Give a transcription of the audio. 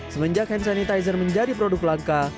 semenjak hand sanitizer menjadi produk langka